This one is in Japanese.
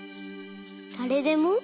だれでも？